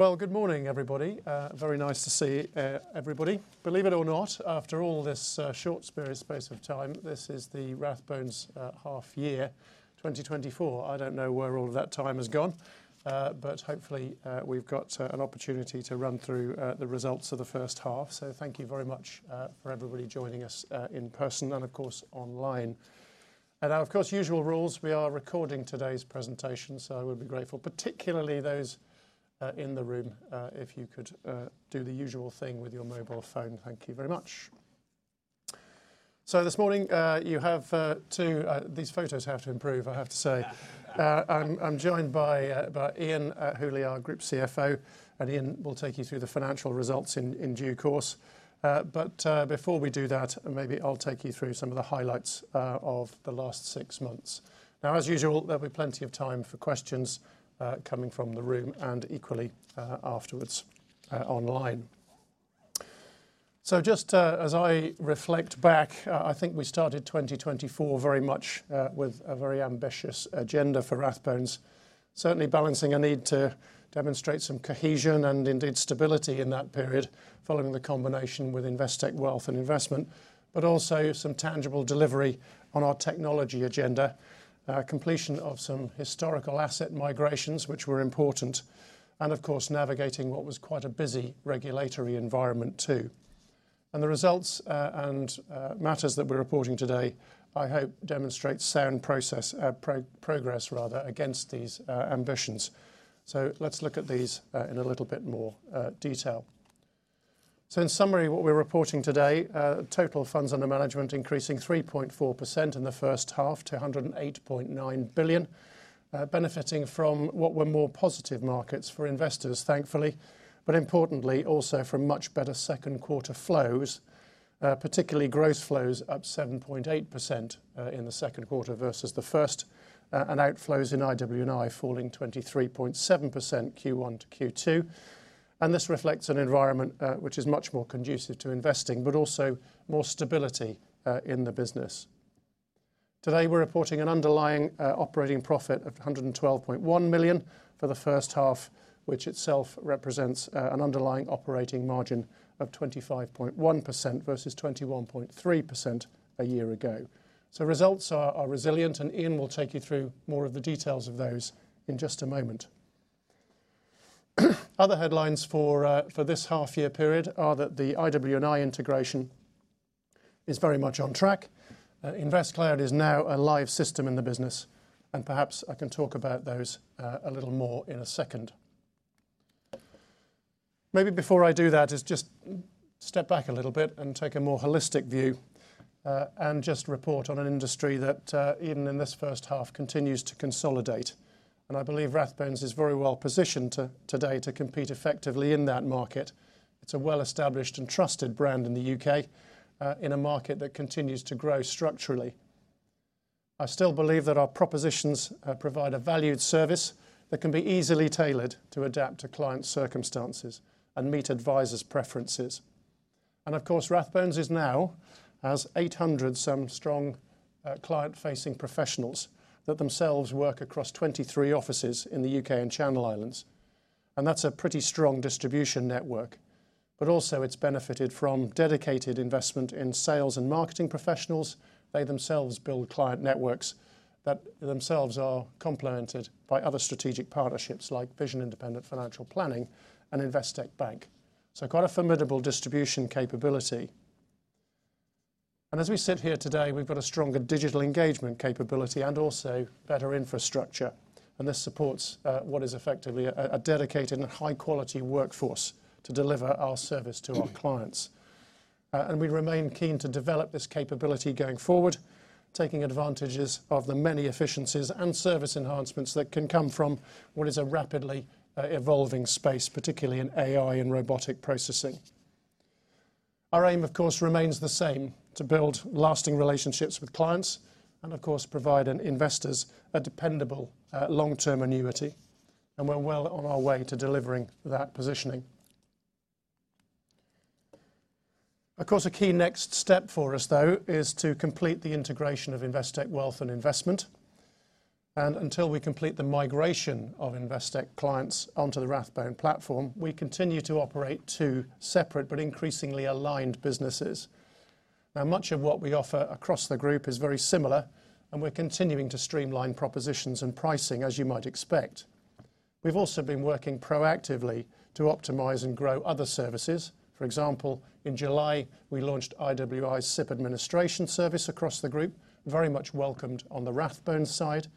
Well, good morning, everybody. Very nice to see everybody. Believe it or not, after all this short space of time, this is the Rathbones' half-year 2024. I don't know where all of that time has gone, but hopefully we've got an opportunity to run through the results of the first half. So thank you very much for everybody joining us in person and, of course, online. And now, of course, usual rules, we are recording today's presentation, so we'll be grateful, particularly those in the room, if you could do the usual thing with your mobile phone. Thank you very much. So this morning, you have two—these photos have to improve, I have to say. I'm joined by Iain Hooley, our Group CFO, and Iain will take you through the financial results in due course. But, before we do that, maybe I'll take you through some of the highlights of the last six months. Now, as usual, there'll be plenty of time for questions coming from the room and equally afterwards online. So just as I reflect back, I think we started 2024 very much with a very ambitious agenda for Rathbones, certainly balancing a need to demonstrate some cohesion and indeed stability in that period following the combination with Investec Wealth and Investment, but also some tangible delivery on our technology agenda, completion of some historical asset migrations, which were important, and of course navigating what was quite a busy regulatory environment too. And the results and matters that we're reporting today, I hope, demonstrate sound progress, rather, against these ambitions. So let's look at these in a little bit more detail. So in summary, what we're reporting today, total funds under management increasing 3.4% in the first half to 108.9 billion, benefiting from what were more positive markets for investors, thankfully, but importantly, also from much better second-quarter flows, particularly gross flows up 7.8%, in the second quarter versus the first, and outflows in IW&I falling 23.7% Q1 to Q2. And this reflects an environment, which is much more conducive to investing, but also more stability, in the business. Today, we're reporting an underlying, operating profit of 112.1 million for the first half, which itself represents, an underlying operating margin of 25.1% versus 21.3% a year ago. So results are, are resilient, and Iain will take you through more of the details of those in just a moment. Other headlines for, for this half-year period are that the IW&I integration is very much on track. InvestCloud is now a live system in the business, and perhaps I can talk about those, a little more in a second. Maybe before I do that, let's just step back a little bit and take a more holistic view, and just report on an industry that, even in this first half, continues to consolidate. I believe Rathbones is very well positioned to, today, to compete effectively in that market. It's a well-established and trusted brand in the U.K., in a market that continues to grow structurally. I still believe that our propositions, provide a valued service that can be easily tailored to adapt to client circumstances and meet advisors' preferences. Of course, Rathbones now has 800-some strong, client-facing professionals that themselves work across 23 offices in the U.K. and Channel Islands. That's a pretty strong distribution network. But also, it's benefited from dedicated investment in sales and marketing professionals. They themselves build client networks that themselves are complemented by other strategic partnerships like Vision Independent Financial Planning and Investec Bank. So quite a formidable distribution capability. And as we sit here today, we've got a stronger digital engagement capability and also better infrastructure. And this supports what is effectively a dedicated and high-quality workforce to deliver our service to our clients. And we remain keen to develop this capability going forward, taking advantages of the many efficiencies and service enhancements that can come from what is a rapidly evolving space, particularly in AI and robotic processing. Our aim, of course, remains the same: to build lasting relationships with clients and, of course, provide investors a dependable, long-term annuity. And we're well on our way to delivering that positioning. Of course, a key next step for us, though, is to complete the integration of Investec Wealth and Investment. Until we complete the migration of Investec clients onto the Rathbones platform, we continue to operate two separate but increasingly aligned businesses. Now, much of what we offer across the group is very similar, and we're continuing to streamline propositions and pricing, as you might expect. We've also been working proactively to optimize and grow other services. For example, in July, we launched IW&I's SIPP Administration Service across the group, very much welcomed on the Rathbones side.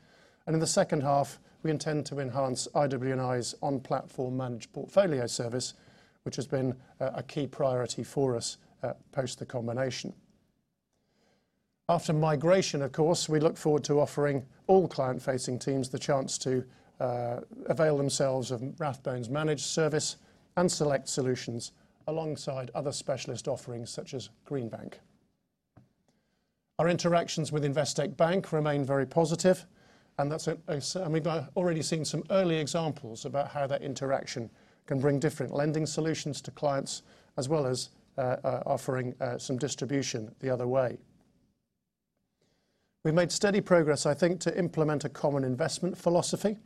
And in the second half, we intend to enhance IW&I's on-platform Managed Portfolio Service, which has been a key priority for us, post the combination. After migration, of course, we look forward to offering all client-facing teams the chance to avail themselves of Rathbones' managed service and select solutions alongside other specialist offerings such as Greenbank. Our interactions with Investec Bank remain very positive, and that's—and we've already seen some early examples about how that interaction can bring different lending solutions to clients, as well as, offering, some distribution the other way. We've made steady progress, I think, to implement a common investment philosophy,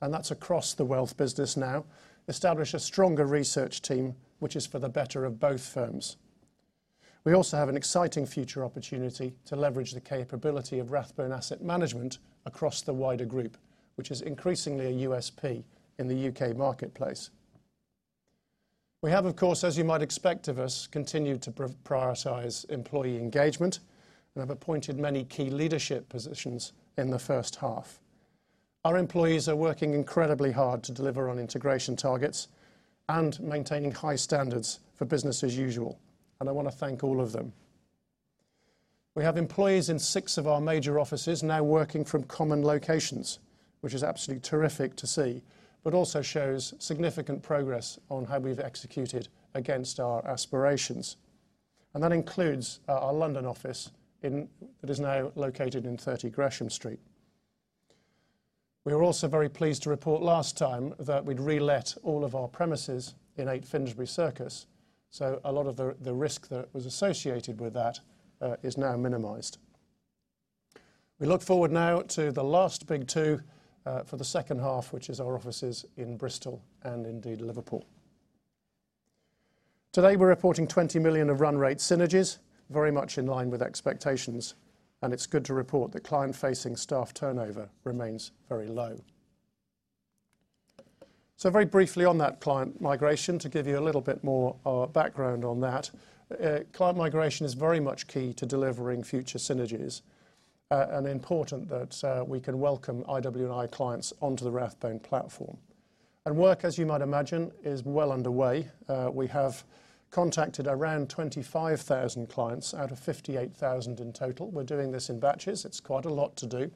and that's across the wealth business now: establish a stronger research team, which is for the better of both firms. We also have an exciting future opportunity to leverage the capability of Rathbone Asset Management across the wider group, which is increasingly a USP in the UK marketplace. We have, of course, as you might expect of us, continued to prioritize employee engagement and have appointed many key leadership positions in the first half. Our employees are working incredibly hard to deliver on integration targets and maintaining high standards for business as usual. And I wanna thank all of them. We have employees in six of our major offices now working from common locations, which is absolutely terrific to see, but also shows significant progress on how we've executed against our aspirations. And that includes our London office, which is now located in 30 Gresham Street. We were also very pleased to report last time that we'd relet all of our premises in 8 Finsbury Circus, so a lot of the risk that was associated with that is now minimized. We look forward now to the last big two, for the second half, which is our offices in Bristol and indeed Liverpool. Today, we're reporting 20 million of run rate synergies, very much in line with expectations. It's good to report that client-facing staff turnover remains very low. So very briefly on that client migration, to give you a little bit more background on that, client migration is very much key to delivering future synergies, and important that we can welcome IW&I clients onto the Rathbones platform. And work, as you might imagine, is well underway. We have contacted around 25,000 clients out of 58,000 in total. We're doing this in batches. It's quite a lot to do.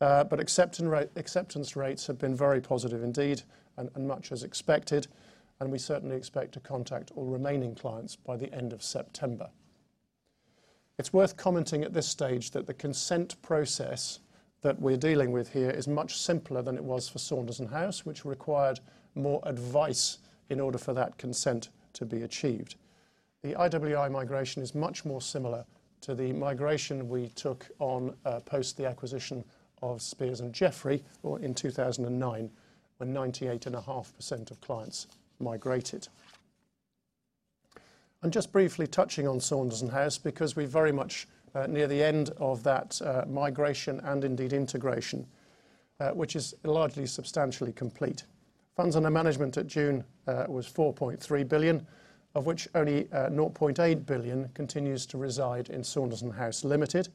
But acceptance rates have been very positive indeed, and much as expected. And we certainly expect to contact all remaining clients by the end of September. It's worth commenting at this stage that the consent process that we're dealing with here is much simpler than it was for Saunderson House, which required more advice in order for that consent to be achieved. The IW&I migration is much more similar to the migration we took on, post the acquisition of Speirs & Jeffrey, or in 2009, when 98.5% of clients migrated. Just briefly touching on Saunderson House, because we're very much near the end of that migration and indeed integration, which is largely substantially complete. Funds under management at June was 4.3 billion, of which only 0.8 billion continues to reside in Saunderson House Limited.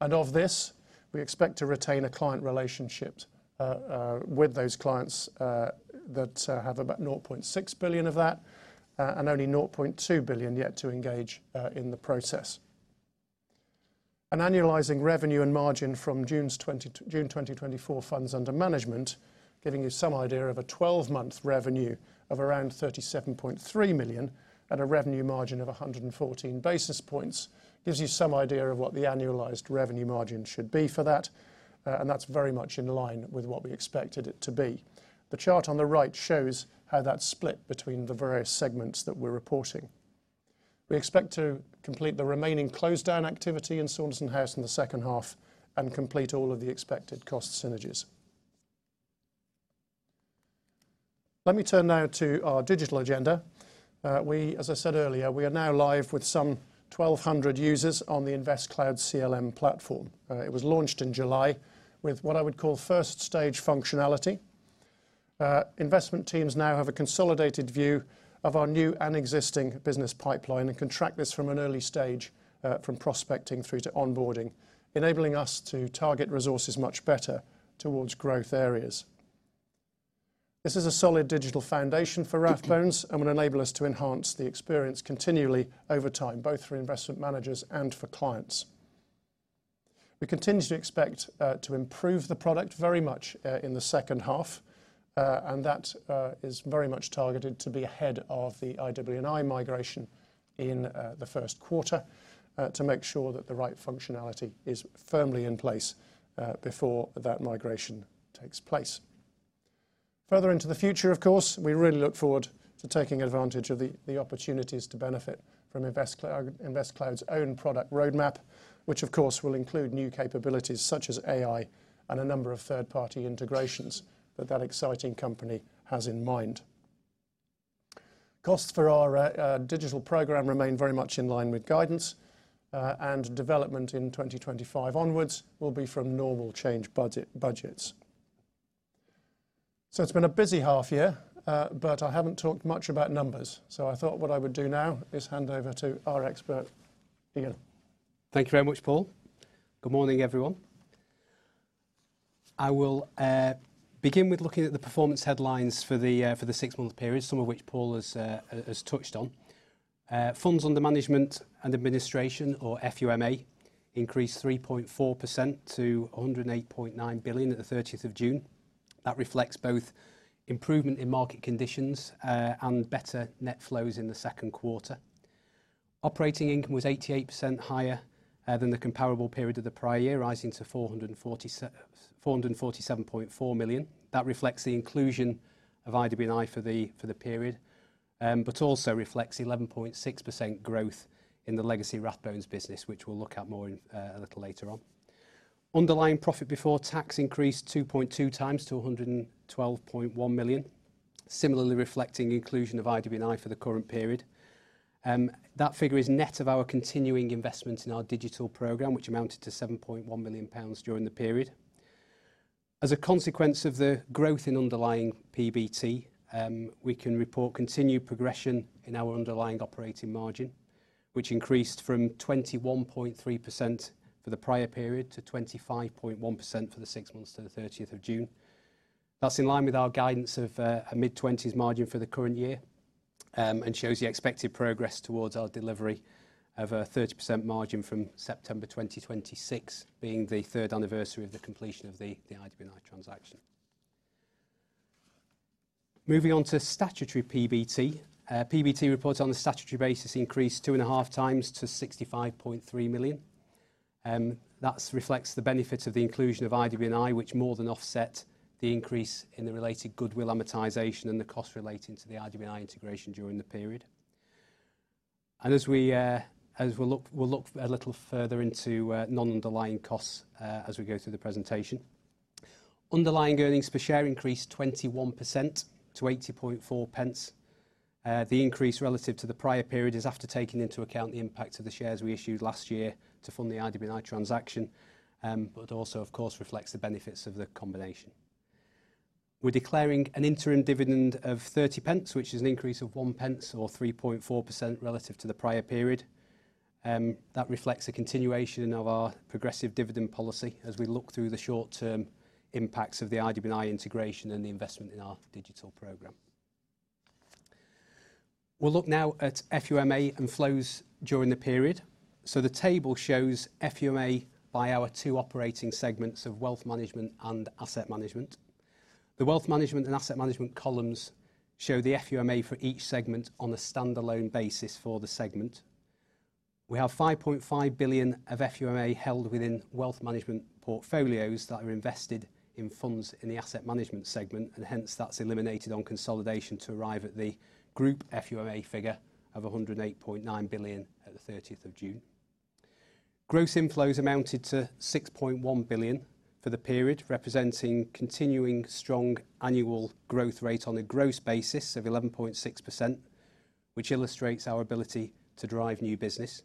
And of this, we expect to retain a client relationship with those clients that have about 0.6 billion of that, and only 0.2 billion yet to engage in the process. Annualizing revenue and margin from June 2024 funds under management, giving you some idea of a 12-month revenue of around 37.3 million and a revenue margin of 114 basis points, gives you some idea of what the annualized revenue margin should be for that. And that's very much in line with what we expected it to be. The chart on the right shows how that's split between the various segments that we're reporting. We expect to complete the remaining close-down activity in Saunderson House in the second half and complete all of the expected cost synergies. Let me turn now to our digital agenda. We, as I said earlier, we are now live with some 1,200 users on the InvestCloud CLM platform. It was launched in July with what I would call first-stage functionality. Investment teams now have a consolidated view of our new and existing business pipeline and can track this from an early stage, from prospecting through to onboarding, enabling us to target resources much better towards growth areas. This is a solid digital foundation for Rathbones and will enable us to enhance the experience continually over time, both for investment managers and for clients. We continue to expect to improve the product very much in the second half, and that is very much targeted to be ahead of the IW&I migration in the first quarter, to make sure that the right functionality is firmly in place before that migration takes place. Further into the future, of course, we really look forward to taking advantage of the opportunities to benefit from InvestCloud—InvestCloud's own product roadmap, which, of course, will include new capabilities such as AI and a number of third-party integrations that exciting company has in mind. Costs for our digital program remain very much in line with guidance, and development in 2025 onwards will be from normal change budgets. So it's been a busy half-year, but I haven't talked much about numbers. So I thought what I would do now is hand over to our expert, Iain. Thank you very much, Paul. Good morning, everyone. I will begin with looking at the performance headlines for the six-month period, some of which Paul has touched on. Funds under management and administration, or FUMA, increased 3.4% to 108.9 billion at the 30th of June. That reflects both improvement in market conditions, and better net flows in the second quarter. Operating income was 88% higher than the comparable period of the prior-year, rising to 447.4 million. That reflects the inclusion of IW&I for the period, but also reflects 11.6% growth in the legacy Rathbones business, which we'll look at more in a little later on. Underlying profit before tax increased 2.2 times to 112.1 million, similarly reflecting inclusion of IW&I for the current period. That figure is net of our continuing investments in our digital program, which amounted to 7.1 million pounds during the period. As a consequence of the growth in underlying PBT, we can report continued progression in our underlying operating margin, which increased from 21.3% for the prior period to 25.1% for the six months to the 30th of June. That's in line with our guidance of a mid-20s margin for the current year, and shows the expected progress towards our delivery of a 30% margin from September 2026, being the third anniversary of the completion of the IW&I transaction. Moving on to statutory PBT, PBT reports on a statutory basis increased 2.5 times to 65.3 million. That reflects the benefits of the inclusion of IW&I, which more than offset the increase in the related goodwill amortization and the costs relating to the IW&I integration during the period. As we'll look a little further into non-underlying costs, as we go through the presentation. Underlying earnings per share increased 21% to 80.4 pence. The increase relative to the prior period is after taking into account the impact of the shares we issued last year to fund the IW&I transaction, but also, of course, reflects the benefits of the combination. We're declaring an interim dividend of 0.30, which is an increase of 0.01 or 3.4% relative to the prior period. That reflects a continuation of our progressive dividend policy as we look through the short-term impacts of the IW&I integration and the investment in our digital program. We'll look now at FUMA and flows during the period. So the table shows FUMA by our two operating segments of wealth management and asset management. The wealth management and asset management columns show the FUMA for each segment on a standalone basis for the segment. We have 5.5 billion of FUMA held within wealth management portfolios that are invested in funds in the asset management segment, and hence that's eliminated on consolidation to arrive at the group FUMA figure of 108.9 billion at the 30th of June. Gross inflows amounted to 6.1 billion for the period, representing continuing strong annual growth rate on a gross basis of 11.6%, which illustrates our ability to drive new business.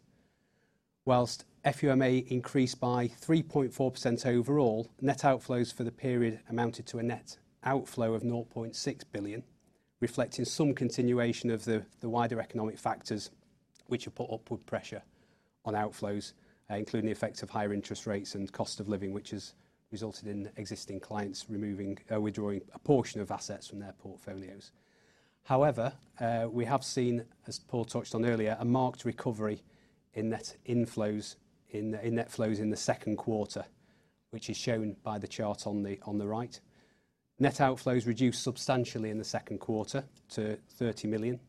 While FUMA increased by 3.4% overall, net outflows for the period amounted to a net outflow of 0.6 billion, reflecting some continuation of the wider economic factors which have put upward pressure on outflows, including the effects of higher interest rates and cost of living, which has resulted in existing clients removing, withdrawing a portion of assets from their portfolios. However, we have seen, as Paul touched on earlier, a marked recovery in net inflows in net flows in the second quarter, which is shown by the chart on the right. Net outflows reduced substantially in the second quarter to 30 million.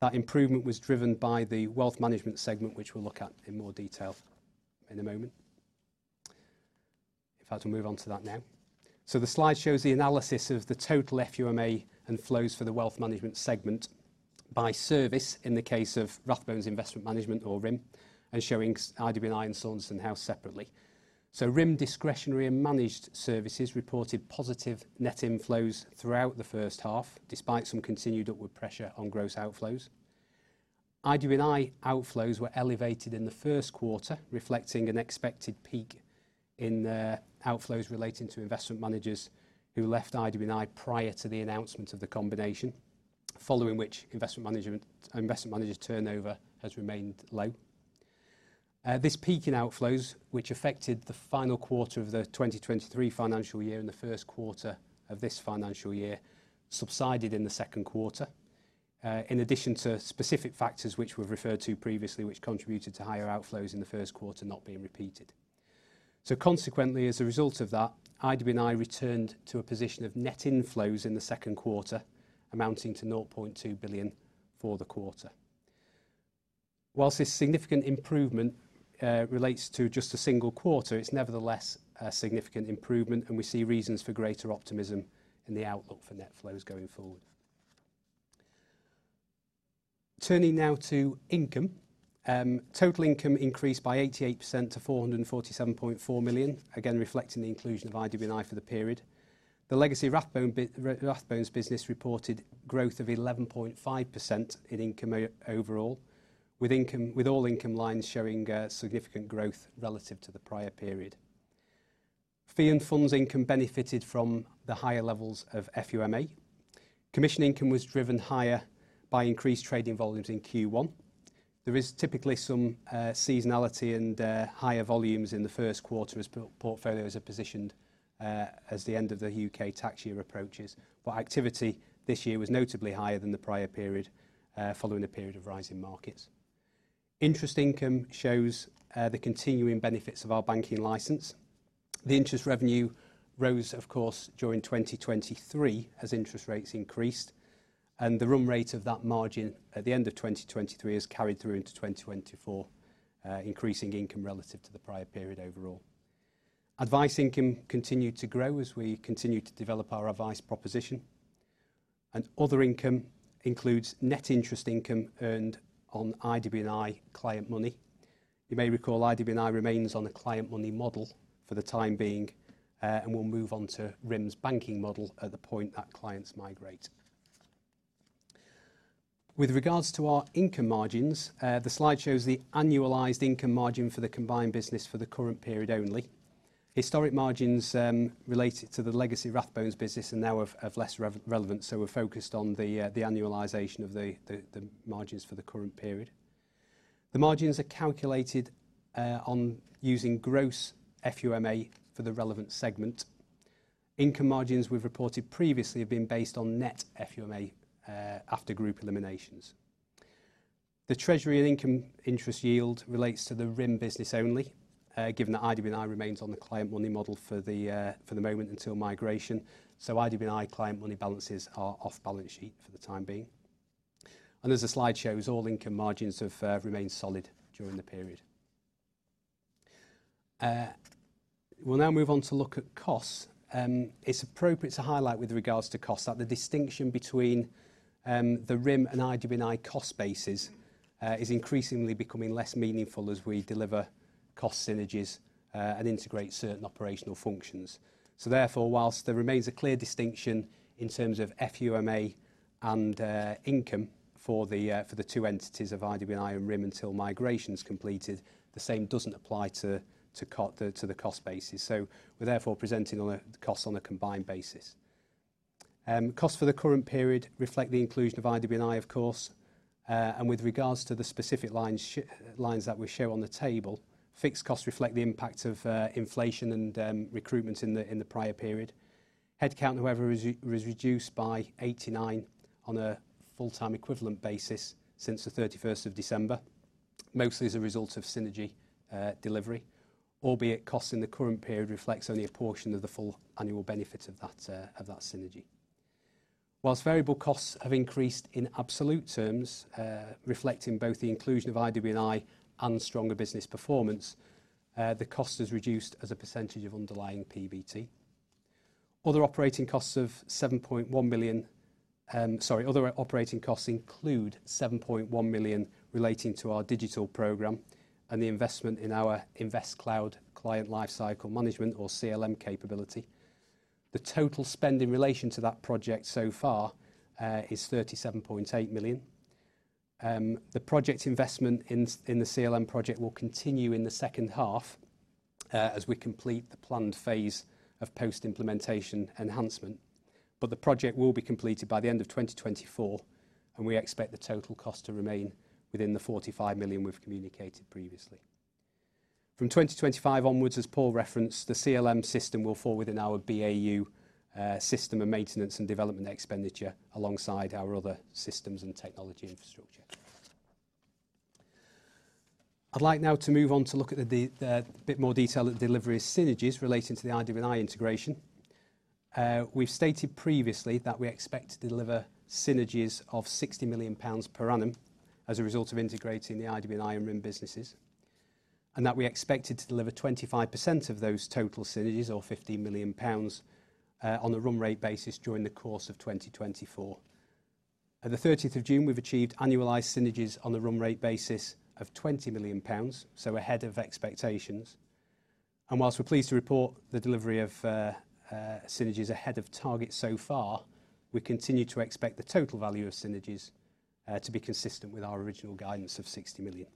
That improvement was driven by the wealth management segment, which we'll look at in more detail in a moment. In fact, we'll move on to that now. So the slide shows the analysis of the total FUMA and flows for the wealth management segment by service in the case of Rathbone Investment Management, or RIM, and showing IW&I and Saunderson House separately. So RIM discretionary and managed services reported positive net inflows throughout the first half, despite some continued upward pressure on gross outflows. IW&I outflows were elevated in the first quarter, reflecting an expected peak in outflows relating to investment managers who left IW&I prior to the announcement of the combination, following which investment managers' turnover has remained low. This peak in outflows, which affected the final quarter of the 2023 financial year and the first quarter of this financial year, subsided in the second quarter, in addition to specific factors which we've referred to previously, which contributed to higher outflows in the first quarter not being repeated. So consequently, as a result of that, IW&I returned to a position of net inflows in the second quarter, amounting to 0.2 billion for the quarter. Whilst this significant improvement relates to just a single quarter, it's nevertheless a significant improvement, and we see reasons for greater optimism in the outlook for net flows going forward. Turning now to income, total income increased by 88% to 447.4 million, again reflecting the inclusion of IW&I for the period. The legacy Rathbones business reported growth of 11.5% in income overall, with income, with all income lines showing significant growth relative to the prior period. Fee and funds income benefited from the higher levels of FUMA. Commission income was driven higher by increased trading volumes in Q1. There is typically some seasonality and higher volumes in the first quarter as portfolios are positioned as the end of the U.K. tax year approaches. But activity this year was notably higher than the prior period, following a period of rising markets. Interest income shows the continuing benefits of our banking license. The interest revenue rose, of course, during 2023 as interest rates increased, and the run rate of that margin at the end of 2023 has carried through into 2024, increasing income relative to the prior period overall. Advice income continued to grow as we continued to develop our advice proposition. Other income includes net interest income earned on IW&I client money. You may recall IW&I remains on a client money model for the time being, and we'll move on to RIM's banking model at the point that clients migrate. With regards to our income margins, the slide shows the annualized income margin for the combined business for the current period only. Historic margins, related to the legacy Rathbones business are now of less relevance, so we're focused on the annualization of the margins for the current period. The margins are calculated on using gross FUMA for the relevant segment. Income margins we've reported previously have been based on net FUMA, after group eliminations. The treasury and income interest yield relates to the RIM business only, given that IW&I remains on the client money model for the, for the moment until migration. So IW&I client money balances are off balance sheet for the time being. And as the slide shows, all income margins have remained solid during the period. We'll now move on to look at costs. It's appropriate to highlight with regards to costs that the distinction between the RIM and IW&I cost bases is increasingly becoming less meaningful as we deliver cost synergies and integrate certain operational functions. So therefore, while there remains a clear distinction in terms of FUMA and income for the two entities of IW&I and RIM until migration's completed, the same doesn't apply to the cost bases. So we're therefore presenting on a combined basis. Costs for the current period reflect the inclusion of IW&I, of course. And with regards to the specific lines, such lines that we show on the table, fixed costs reflect the impact of inflation and recruitment in the prior period. Headcount, however, was reduced by 89 on a full-time equivalent basis since the 31st of December, mostly as a result of synergy delivery, albeit costs in the current period reflects only a portion of the full annual benefit of that synergy. While variable costs have increased in absolute terms, reflecting both the inclusion of IW&I and stronger business performance, the cost has reduced as a percentage of underlying PBT. Other operating costs of 7.1 million, sorry, other operating costs include 7.1 million relating to our digital program and the investment in our InvestCloud client lifecycle management or CLM capability. The total spend in relation to that project so far is 37.8 million. The project investment in the CLM project will continue in the second half, as we complete the planned phase of post-implementation enhancement. But the project will be completed by the end of 2024, and we expect the total cost to remain within the 45 million we've communicated previously. From 2025 onwards, as Paul referenced, the CLM system will fall within our BAU system and maintenance and development expenditure alongside our other systems and technology infrastructure. I'd like now to move on to look at a bit more detail at delivery of synergies relating to the IW&I integration. We've stated previously that we expect to deliver synergies of 60 million pounds per annum as a result of integrating the IW&I and RIM businesses, and that we expected to deliver 25% of those total synergies, or 15 million pounds, on a run rate basis during the course of 2024. At the 30th of June, we've achieved annualized synergies on a run rate basis of 20 million pounds, so ahead of expectations. While we're pleased to report the delivery of synergies ahead of target so far, we continue to expect the total value of synergies to be consistent with our original guidance of 60 million,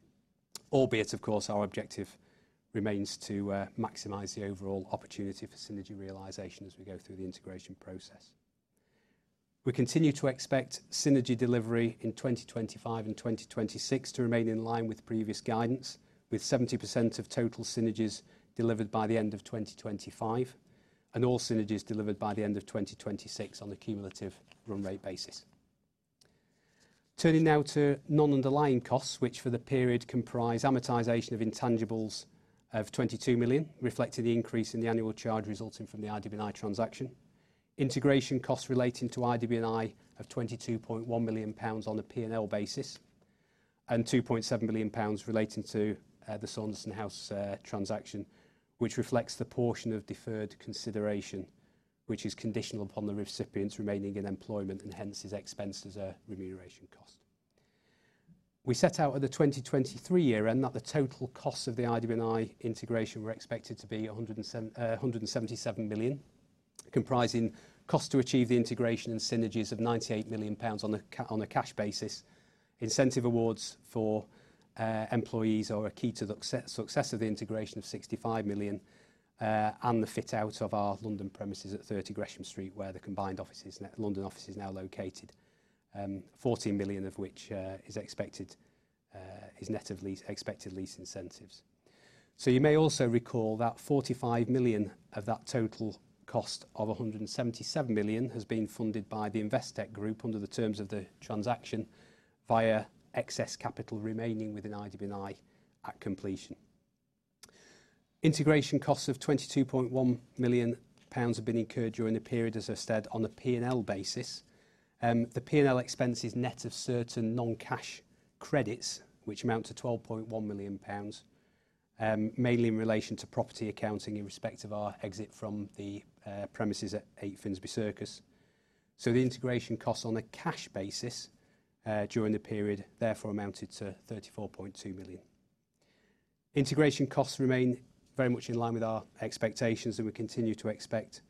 albeit, of course, our objective remains to maximize the overall opportunity for synergy realization as we go through the integration process. We continue to expect synergy delivery in 2025 and 2026 to remain in line with previous guidance, with 70% of total synergies delivered by the end of 2025 and all synergies delivered by the end of 2026 on a cumulative run-rate basis. Turning now to non-underlying costs, which for the period comprise amortization of intangibles of 22 million, reflecting the increase in the annual charge resulting from the IW&I transaction, integration costs relating to IW&I of 22.1 million pounds on a P&L basis, and 2.7 million pounds relating to the Saunderson House transaction, which reflects the portion of deferred consideration, which is conditional upon the recipient's remaining in employment and hence is expensed as a remuneration cost. We set out at the 2023 year end that the total costs of the IW&I integration were expected to be 177 million, comprising costs to achieve the integration and synergies of 98 million pounds on a cash basis, incentive awards for employees or a key to the success of the integration of 65 million, and the fit out of our London premises at 30 Gresham Street, where the combined London office is now located, 14 million of which is expected to be net of expected lease incentives. So you may also recall that 45 million of that total cost of 177 million has been funded by the Investec Group under the terms of the transaction via excess capital remaining within IW&I at completion. Integration costs of 22.1 million pounds have been incurred during the period, as I've said, on a P&L basis. The P&L expense is net of certain non-cash credits, which amount to 12.1 million pounds, mainly in relation to property accounting in respect of our exit from the premises at 8 Finsbury Circus. So the integration costs on a cash basis, during the period, therefore amounted to 34.2 million. Integration costs remain very much in line with our expectations, and we continue to expect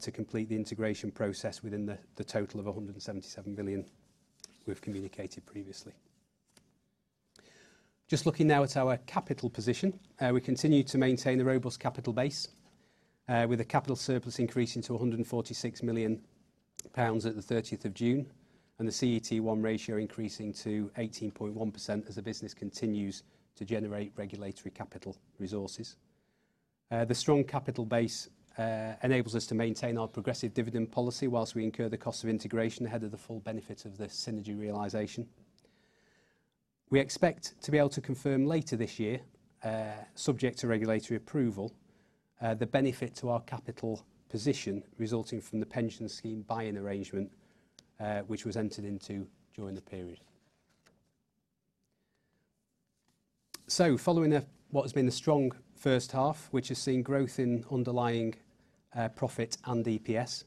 to complete the integration process within the total of 177 million we've communicated previously. Just looking now at our capital position, we continue to maintain a robust capital base, with a capital surplus increasing to 146 million pounds at the 30th of June, and the CET1 ratio increasing to 18.1% as the business continues to generate regulatory capital resources. The strong capital base enables us to maintain our progressive dividend policy whilst we incur the cost of integration ahead of the full benefit of the synergy realization. We expect to be able to confirm later this year, subject to regulatory approval, the benefit to our capital position resulting from the pension scheme buy-in arrangement, which was entered into during the period. Following what has been a strong first half, which has seen growth in underlying profit and EPS,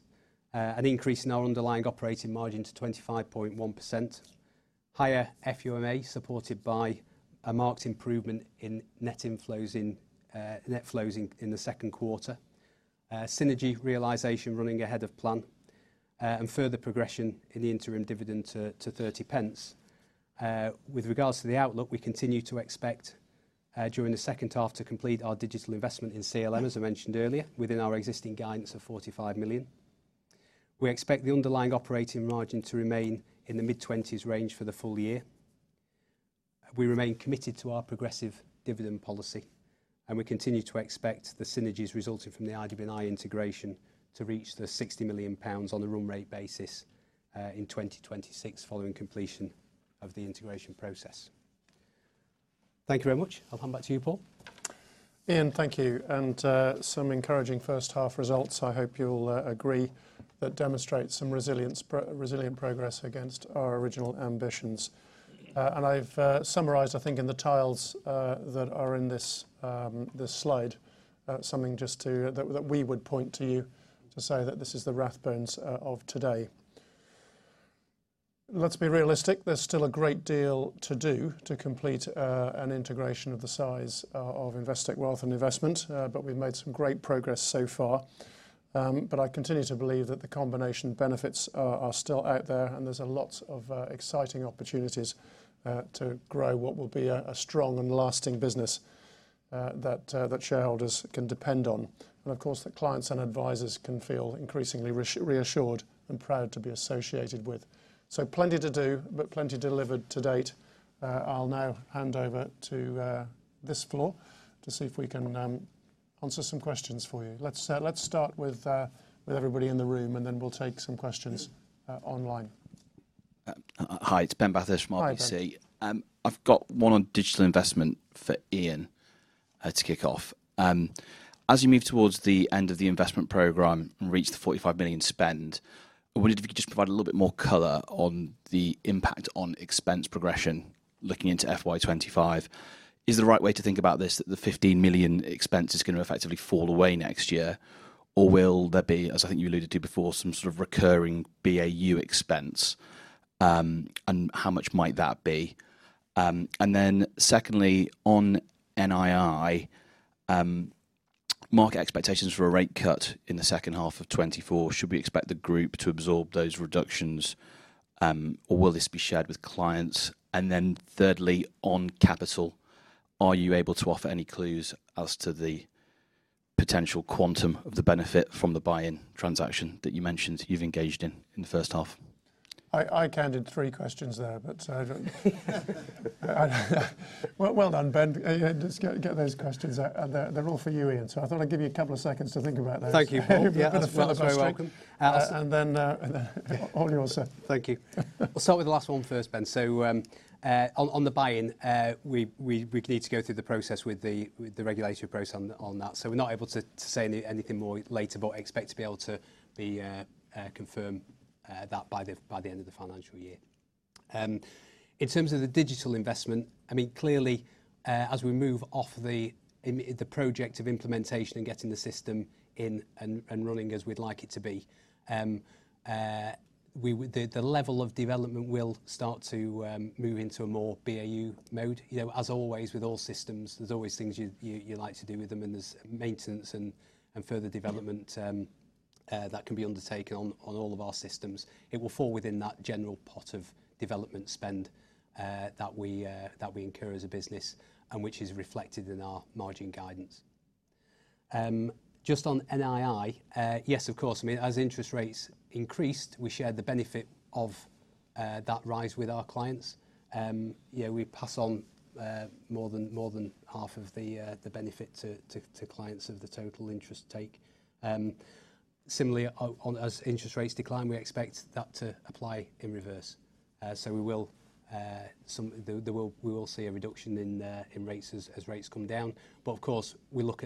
an increase in our underlying operating margin to 25.1%, higher FUMA supported by a marked improvement in net inflows in the second quarter, synergy realization running ahead of plan, and further progression in the interim dividend to 0.30. With regards to the outlook, we continue to expect, during the second half, to complete our digital investment in CLM, as I mentioned earlier, within our existing guidance of 45 million. We expect the underlying operating margin to remain in the mid-20s range for the full-year. We remain committed to our progressive dividend policy, and we continue to expect the synergies resulting from the IW&I integration to reach 60 million pounds on a run-rate basis, in 2026 following completion of the integration process. Thank you very much. I'll hand back to you, Paul. Iain, thank you. Some encouraging first half results, I hope you'll agree, that demonstrate some resilience, resilient progress against our original ambitions. I've summarized, I think, in the tiles that are in this, this slide, something just to that we would point to you to say that this is the Rathbones of today. Let's be realistic. There's still a great deal to do to complete an integration of the size of Investec Wealth and Investment, but we've made some great progress so far. But I continue to believe that the combination benefits are still out there, and there's a lot of exciting opportunities to grow what will be a strong and lasting business that shareholders can depend on, and of course that clients and advisors can feel increasingly reassured and proud to be associated with. So plenty to do, but plenty delivered to date. I'll now hand over to the floor to see if we can answer some questions for you. Let's start with everybody in the room, and then we'll take some questions online. Hi, it's Ben Bathurst, RBC Capital Markets. I've got one on digital investment for Iain, to kick off. As you move towards the end of the investment program and reach the 45 million spend, I wondered if you could just provide a little bit more color on the impact on expense progression looking into FY2025. Is the right way to think about this that the 15 million expense is going to effectively fall away next year, or will there be, as I think you alluded to before, some sort of recurring BAU expense, and how much might that be? And then secondly, on NII, market expectations for a rate cut in the second half of 2024, should we expect the group to absorb those reductions, or will this be shared with clients? And then thirdly, on capital, are you able to offer any clues as to the potential quantum of the benefit from the buy-in transaction that you mentioned you've engaged in in the first half? I counted three questions there, but I don't— Well done, Ben. Just get those questions out, and they're all for you, Iain. I thought I'd give you a couple of seconds to think about those. Thank you, Paul. Yeah. That's a fairly broad answer. All yours. Thank you. I'll start with the last one first, Ben. On the buy-in, we need to go through the process with the regulatory process on that. We're not able to say anything more later, but expect to be able to confirm that by the end of the financial year. In terms of the digital investment, I mean, clearly, as we move off the project of implementation and getting the system in and running as we'd like it to be, we, the level of development will start to move into a more BAU mode. You know, as always with all systems, there's always things you like to do with them, and there's maintenance and further development that can be undertaken on all of our systems. It will fall within that general pot of development spend that we incur as a business and which is reflected in our margin guidance. Just on NII, yes, of course. I mean, as interest rates increased, we shared the benefit of that rise with our clients. You know, we pass on more than half of the benefit to clients of the total interest take. Similarly, as interest rates decline, we expect that to apply in reverse. So we will see a reduction in rates as rates come down. But of course, we want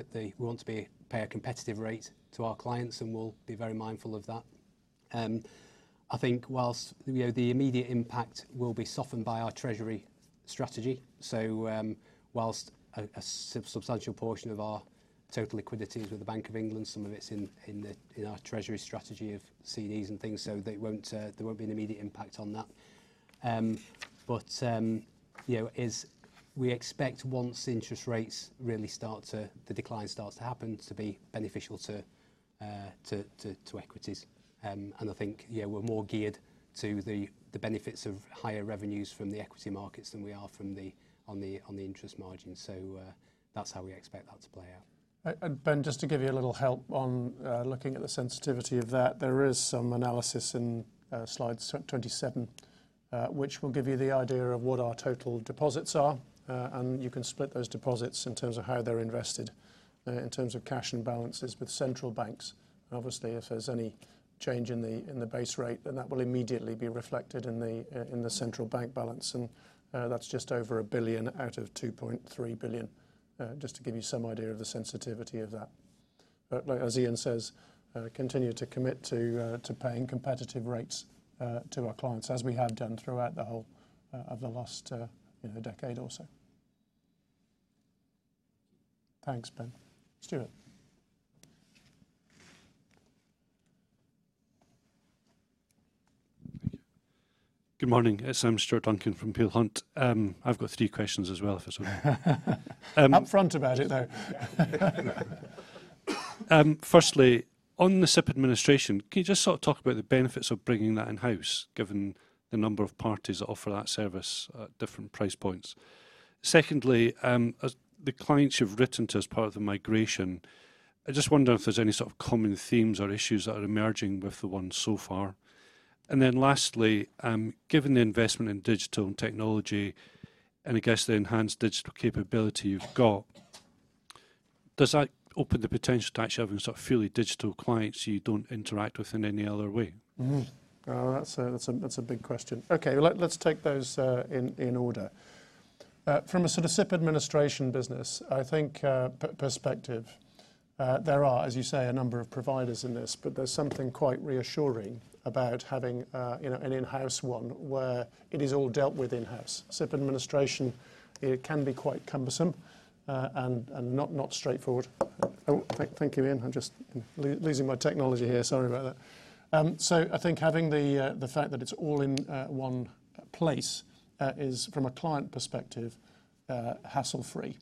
to pay a competitive rate to our clients, and we'll be very mindful of that. I think whilst, you know, the immediate impact will be softened by our treasury strategy. So, whilst a substantial portion of our total liquidity is with the Bank of England, some of it's in our treasury strategy of CDs and things, so there won't be an immediate impact on that. But you know, as we expect once interest rates really start to, the decline starts to happen to be beneficial to equities. And I think, you know, we're more geared to the benefits of higher revenues from the equity markets than we are from the interest margin. So, that's how we expect that to play out. And Ben, just to give you a little help on looking at the sensitivity of that, there is some analysis in slide 27, which will give you the idea of what our total deposits are, and you can split those deposits in terms of how they're invested, in terms of cash and balances with central banks. And obviously, if there's any change in the base rate, then that will immediately be reflected in the central bank balance. That's just over 1 billion out of 2.3 billion, just to give you some idea of the sensitivity of that. But like as Iain says, continue to commit to paying competitive rates to our clients as we have done throughout the whole of the last, you know, decade or so. Thanks, Ben. Stuart. Thank you. Good morning. I'm Stuart Duncan from Peel Hunt. I've got three questions as well if it's okay. Upfront about it though. Firstly, on the SIP administration, can you just sort of talk about the benefits of bringing that in-house given the number of parties that offer that service at different price points? Secondly, as the clients you've written to as part of the migration, I just wonder if there's any sort of common themes or issues that are emerging with the ones so far. And then lastly, given the investment in digital and technology and I guess the enhanced digital capability you've got, does that open the potential to actually having sort of fully digital clients you don't interact with in any other way? Oh, that's a big question. Okay, let's take those in order. From a sort of SIP administration business, I think, perspective, there are, as you say, a number of providers in this, but there's something quite reassuring about having, you know, an in-house one where it is all dealt with in-house. SIP administration, it can be quite cumbersome, and not straightforward. Oh, thank you, Iain. I'm just losing my technology here. Sorry about that. So I think having the fact that it's all in one place is from a client perspective, hassle-free.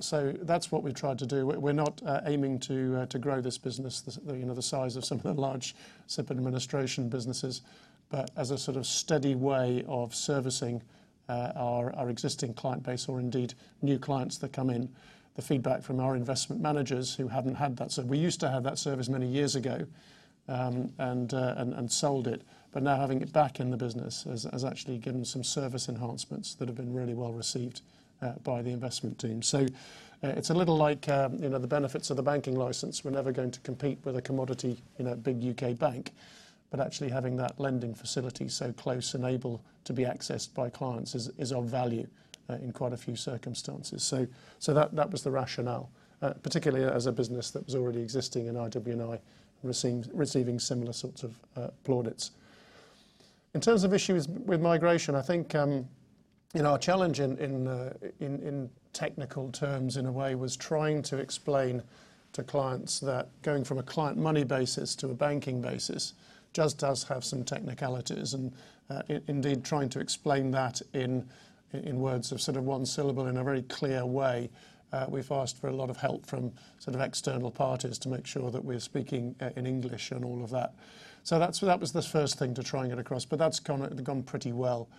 So that's what we've tried to do. We're not aiming to grow this business, you know, the size of some of the large SIP administration businesses, but as a sort of steady way of servicing our existing client base or indeed new clients that come in. The feedback from our investment managers who hadn't had that. So we used to have that service many years ago, and sold it, but now having it back in the business has actually given some service enhancements that have been really well received by the investment team. So, it's a little like, you know, the benefits of the banking license. We're never going to compete with a commodity, you know, big UK bank, but actually having that lending facility so close and able to be accessed by clients is of value in quite a few circumstances. So that was the rationale, particularly as a business that was already existing in IW&I receiving similar sorts of plaudits. In terms of issues with migration, I think, you know, our challenge in technical terms in a way was trying to explain to clients that going from a client money basis to a banking basis just does have some technicalities and indeed trying to explain that in words of sort of one syllable in a very clear way. We've asked for a lot of help from sort of external parties to make sure that we're speaking in English and all of that. So that was the first thing to try and get across, but that's gone pretty well.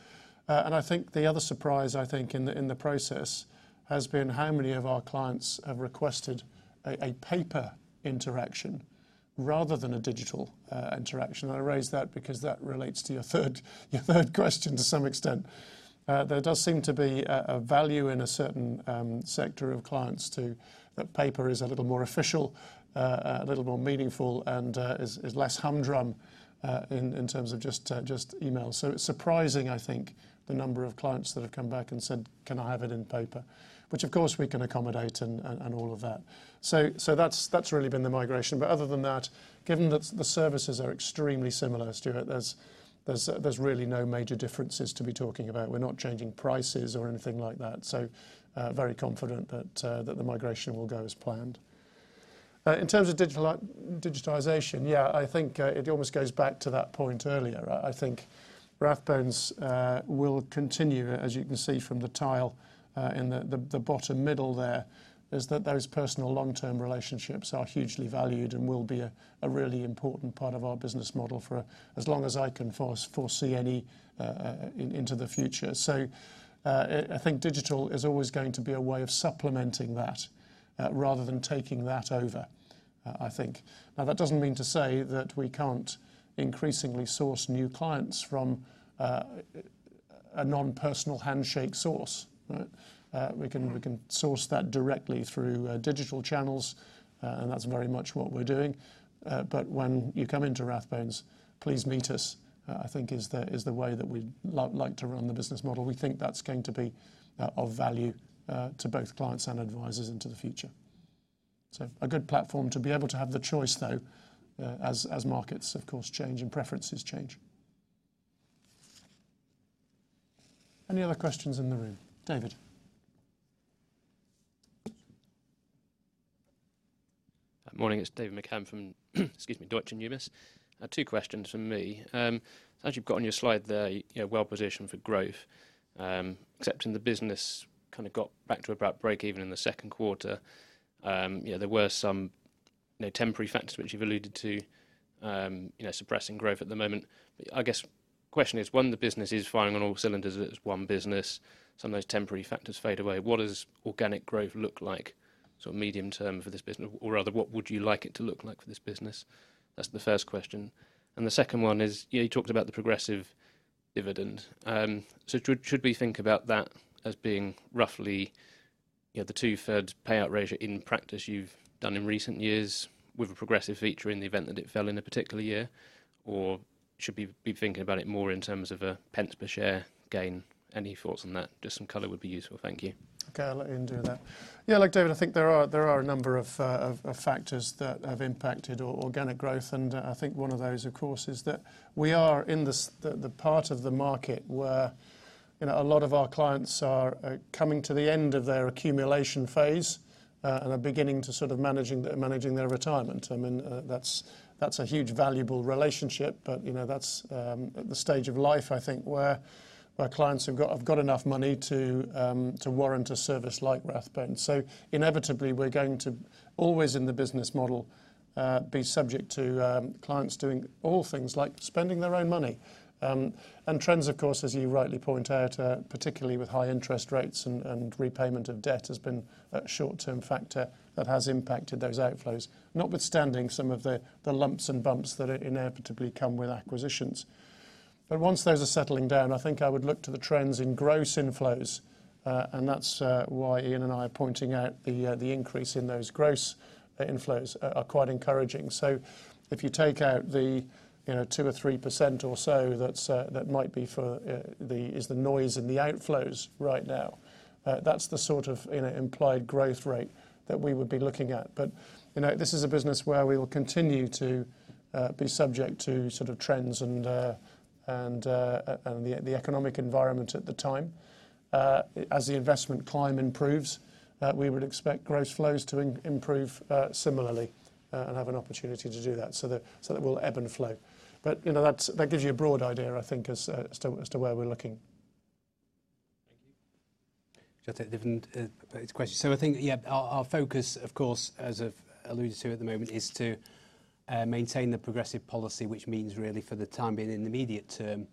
I think the other surprise, I think, in the process has been how many of our clients have requested a paper interaction rather than a digital interaction. I raise that because that relates to your third question to some extent. There does seem to be a value in a certain sector of clients to that paper is a little more official, a little more meaningful and is less humdrum in terms of just email. So it's surprising, I think, the number of clients that have come back and said, can I have it in paper, which of course we can accommodate and all of that. So that's really been the migration. But other than that, given that the services are extremely similar, Stuart, there's really no major differences to be talking about. We're not changing prices or anything like that. So, very confident that the migration will go as planned. In terms of digital, digitization, yeah, I think, it almost goes back to that point earlier. I think Rathbones will continue, as you can see from the tile, in the bottom middle there is that those personal long-term relationships are hugely valued and will be a really important part of our business model for as long as I can foresee, into the future. So, I think digital is always going to be a way of supplementing that, rather than taking that over, I think. Now, that doesn't mean to say that we can't increasingly source new clients from a non-personal handshake source, right? We can, we can source that directly through digital channels, and that's very much what we're doing. But when you come into Rathbones, please meet us, I think is the, is the way that we'd like, like to run the business model. We think that's going to be, of value, to both clients and advisors into the future. So a good platform to be able to have the choice though, as, as markets of course change and preferences change. Any other questions in the room? David. Good morning. It's David McCann from, excuse me, Deutsche Numis. Two questions from me. As you've got on your slide there, you know, well positioned for growth, except in the business kind of got back to about break even in the second quarter. You know, there were some, you know, temporary factors which you've alluded to, you know, suppressing growth at the moment. But I guess the question is one, the business is firing on all cylinders, it's one business, some of those temporary factors fade away. What does organic growth look like? Sort of medium term for this business, or rather what would you like it to look like for this business? That's the first question. And the second one is, you know, you talked about the progressive dividend. So should, should we think about that as being roughly, you know, the two-thirds payout ratio in practice you've done in recent years with a progressive feature in the event that it fell in a particular year, or should we, we be thinking about it more in terms of a pence per share gain? Any thoughts on that? Just some color would be useful. Thank you. Okay, I'll let Iain do that. Yeah, look, David, I think there are a number of factors that have impacted organic growth. And I think one of those, of course, is that we are in the part of the market where, you know, a lot of our clients are coming to the end of their accumulation phase, and are beginning to sort of manage their retirement. I mean, that's a huge valuable relationship, but you know, that's at the stage of life, I think, where clients have got enough money to warrant a service like Rathbones. So inevitably we're going to always in the business model be subject to clients doing all things like spending their own money and trends, of course, as you rightly point out, particularly with high interest rates and repayment of debt has been a short-term factor that has impacted those outflows, notwithstanding some of the, the lumps and bumps that inevitably come with acquisitions. But once those are settling down, I think I would look to the trends in gross inflows, and that's why Iain and I are pointing out the increase in those gross inflows are quite encouraging. So if you take out the, you know, 2 or 3% or so that's that might be for the is the noise in the outflows right now, that's the sort of, you know, implied growth rate that we would be looking at. But you know, this is a business where we will continue to be subject to sort of trends and the economic environment at the time. As the investment climate improves, we would expect gross flows to improve, similarly, and have an opportunity to do that. So that will ebb and flow. But you know, that gives you a broad idea, I think, as to where we're looking. Thank you. David, so I think, yeah, our focus, of course, as I've alluded to at the moment, is to maintain the progressive policy, which means really for the time being in the immediate term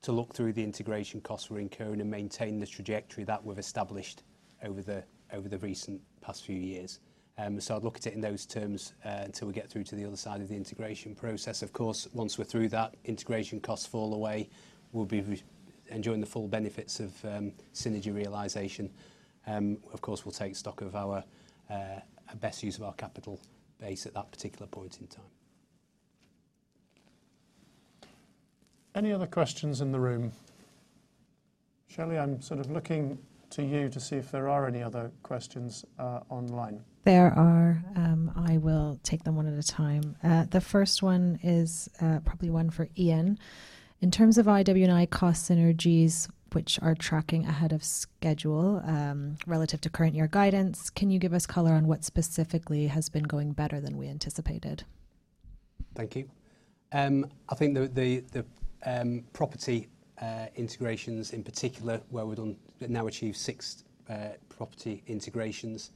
to look through the integration costs we're incurring and maintain the trajectory that we've established over the recent past few years. So I'd look at it in those terms, until we get through to the other side of the integration process. Of course, once we're through that, integration costs fall away, we'll be enjoying the full benefits of synergy realization. Of course, we'll take stock of our best use of our capital base at that particular point in time. Any other questions in the room? Shelly, I'm sort of looking to you to see if there are any other questions online. There are. I will take them one at a time. The first one is probably one for Iain. In terms of IW&I cost synergies, which are tracking ahead of schedule relative to current year guidance, can you give us color on what specifically has been going better than we anticipated? Thank you. I think the property integrations in particular where we've now achieved 6 property integrations,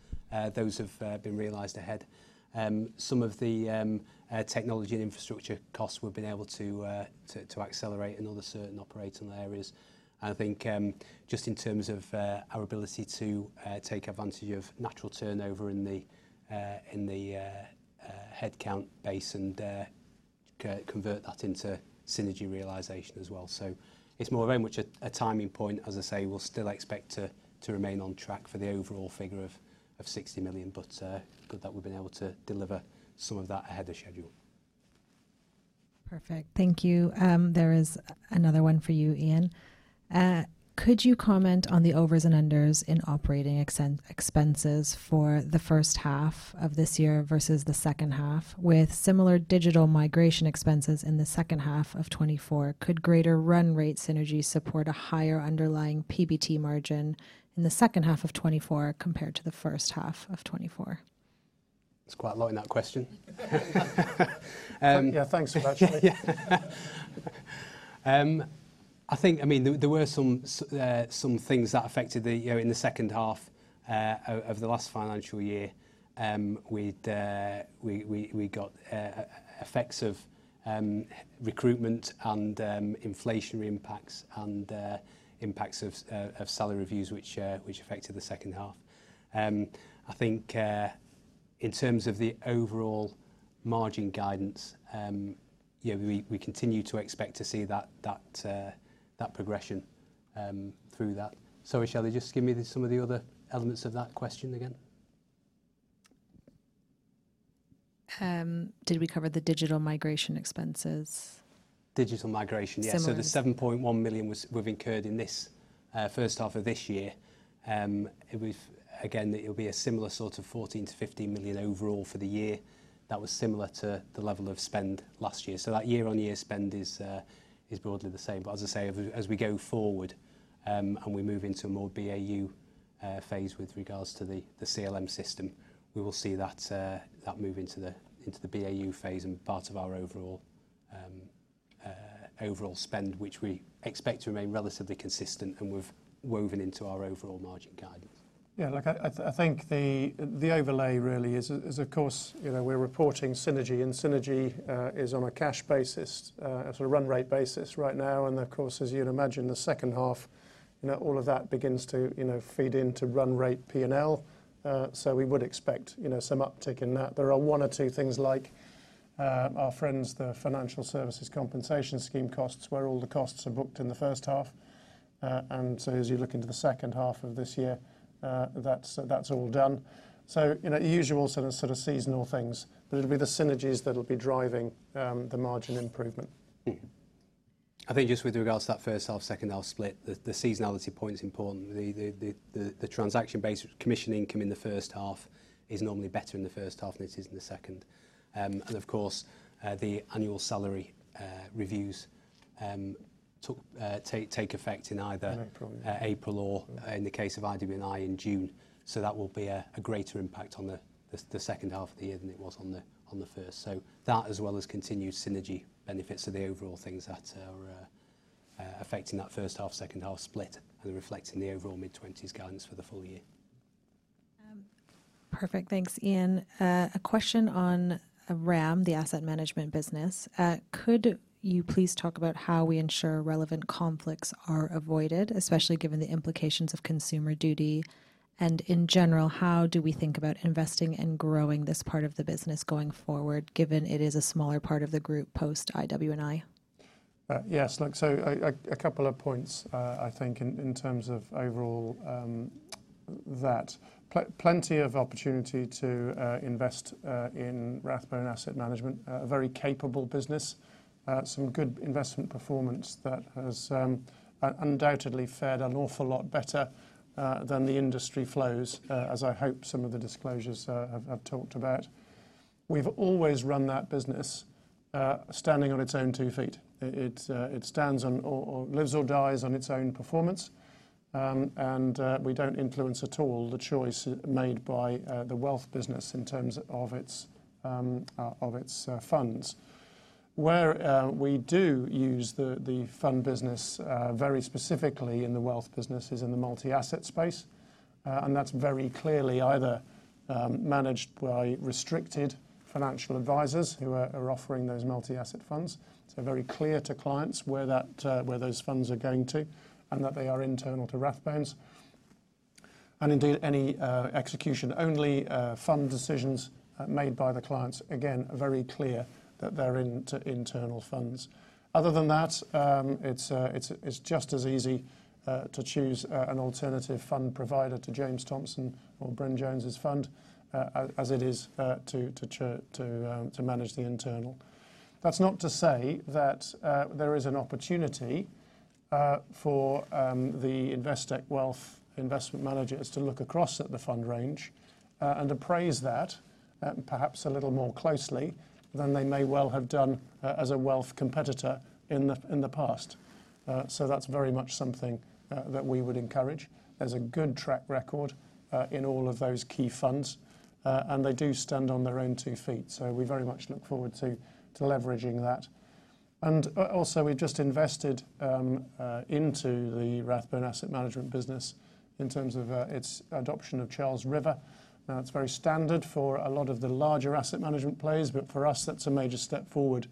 those have been realized ahead. Some of the technology and infrastructure costs we've been able to accelerate in other certain operational areas. I think, just in terms of our ability to take advantage of natural turnover in the headcount base and convert that into synergy realization as well. So it's more very much a timing point, as I say, we'll still expect to remain on track for the overall figure of 60 million, but good that we've been able to deliver some of that ahead of schedule. Perfect. Thank you. There is another one for you, Iain. Could you comment on the overs and unders in operating expenses for the first half of this year versus the second half? With similar digital migration expenses in the second half of 2024, could greater run rate synergy support a higher underlying PBT margin in the second half of 2024 compared to the first half of 2024? It's quite a lot in that question. Yeah, thanks for that, Shelly. I think, I mean, there were some things that affected the, you know, in the second half of the last financial year. We got effects of recruitment and inflationary impacts and impacts of salary reviews, which affected the second half. I think, in terms of the overall margin guidance, you know, we continue to expect to see that progression through that. Sorry, Shelly, just give me some of the other elements of that question again. Did we cover the digital migration expenses? Digital migration, yeah. So the 7.1 million we've incurred in this first half of this year. It was again, it'll be a similar sort of 14 million-15 million overall for the year that was similar to the level of spend last year. So that year-on-year spend is broadly the same. As I say, as we go forward, and we move into a more BAU phase with regards to the CLM system, we will see that move into the BAU phase and part of our overall spend, which we expect to remain relatively consistent and we've woven into our overall margin guidance. Yeah, look, I think the overlay really is, of course, you know, we are reporting synergy is on a cash basis, a sort of run rate basis right now. And of course, as you'd imagine, the second half, you know, all of that begins to, you know, feed into run rate P&L. So we would expect, you know, some uptick in that. There are one or two things like our friends, the Financial Services Compensation Scheme costs where all the costs are booked in the first half. And so as you look into the second half of this year, that's all done. So, you know, usual sort of seasonal things, but it'll be the synergies that'll be driving the margin improvement. I think just with regards to that first half, second half split, the transaction-based commission income in the first half is normally better in the first half than it is in the second. And of course, the annual salary reviews take effect in either April or, in the case of IW&I, in June. So that will be a greater impact on the second half of the year than it was on the first. So that, as well as continued synergy benefits, are the overall things that are affecting that first-half, second-half split and reflecting the overall mid-20s guidance for the full-year. Perfect. Thanks, Iain. A question on RAM, the asset management business. Could you please talk about how we ensure relevant conflicts are avoided, especially given the implications of Consumer Duty? And in general, how do we think about investing and growing this part of the business going forward, given it is a smaller part of the group post IW&I? Yes, look, so I, a couple of points, I think in terms of overall, that plenty of opportunity to invest in Rathbone Asset Management, a very capable business, some good investment performance that has undoubtedly fared an awful lot better than the industry flows, as I hope some of the disclosures have talked about. We've always run that business, standing on its own two feet. It stands on or lives or dies on its own performance. We don't influence at all the choice made by the wealth business in terms of its funds. Where we do use the fund business very specifically in the wealth business is in the multi-asset space. That's very clearly either managed by restricted financial advisors who are offering those multi-asset funds. So, very clear to clients where those funds are going to and that they are internal to Rathbones. And indeed any execution-only fund decisions made by the clients, again very clear that they're into internal funds. Other than that, it's just as easy to choose an alternative fund provider to James Thomson or Bryn Jones's fund, as it is to choose to manage the internal. That's not to say that there is an opportunity for the Investec Wealth & Investment managers to look across at the fund range, and appraise that, perhaps a little more closely than they may well have done, as a wealth competitor in the past. So that's very much something that we would encourage. There's a good track record in all of those key funds, and they do stand on their own two feet. So we very much look forward to leveraging that. And also, we've just invested into the Rathbone Asset Management business in terms of its adoption of Charles River. Now, it's very standard for a lot of the larger asset management plays, but for us, that's a major step forward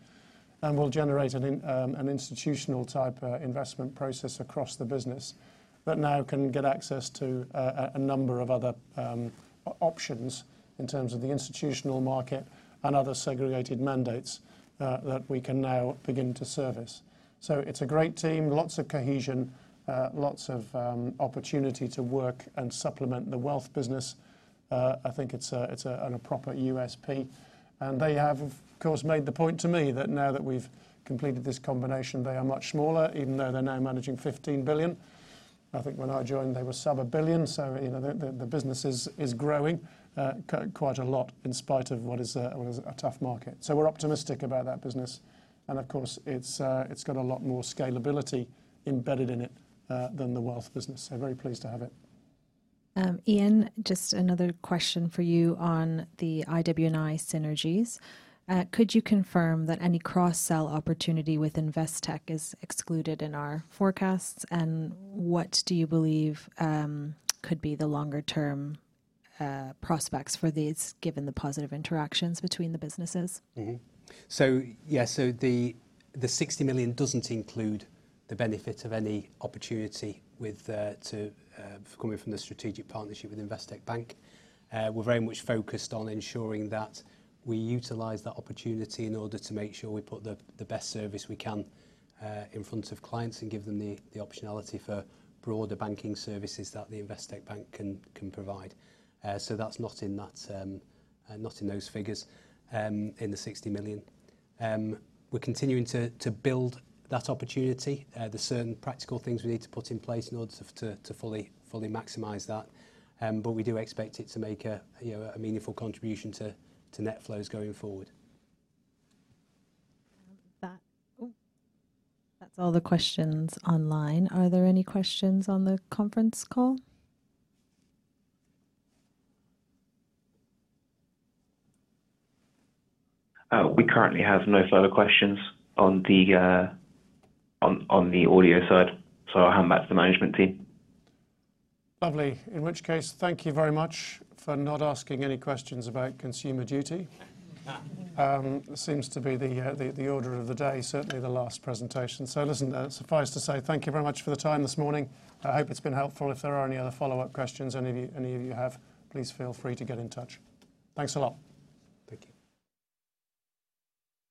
and will generate an institutional type investment process across the business that now can get access to a number of other options in terms of the institutional market and other segregated mandates that we can now begin to service. So it's a great team, lots of cohesion, lots of opportunity to work and supplement the wealth business. I think it's a proper USP. And they have, of course, made the point to me that now that we've completed this combination, they are much smaller, even though they're now managing 15 billion. I think when I joined, they were sub 1 billion. So, you know, the business is growing quite a lot in spite of what is a tough market. So we're optimistic about that business. And of course, it's, it's got a lot more scalability embedded in it, than the wealth business. So very pleased to have it. Iain, just another question for you on the IW&I synergies. Could you confirm that any cross-sell opportunity with Investec is excluded in our forecasts? And what do you believe, could be the longer term, prospects for these, given the positive interactions between the businesses? So yeah, so the, the 60 million doesn't include the benefit of any opportunity with, to, coming from the strategic partnership with Investec Bank. We're very much focused on ensuring that we utilize that opportunity in order to make sure we put the, the best service we can, in front of clients and give them the, the optionality for broader banking services that the Investec Bank can, can provide. So that's not in that, not in those figures, in the 60 million. We're continuing to build that opportunity, the certain practical things we need to put in place in order to fully maximize that. But we do expect it to make a, you know, a meaningful contribution to net flows going forward. Oh, that's all the questions online. Are there any questions on the conference call? We currently have no further questions on the audio side. So I'll hand back to the management team. Lovely. In which case, thank you very much for not asking any questions about Consumer Duty. It seems to be the order of the day, certainly the last presentation. So listen, suffice to say, thank you very much for the time this morning. I hope it's been helpful. If there are any other follow-up questions any of you have, please feel free to get in touch. Thanks a lot. Thank you.